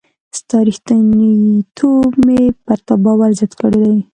ستا ریښتینتوب مي پر تا باور زیات کړی دی.